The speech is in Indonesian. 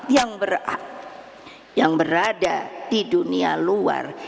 yang berada di dunia luar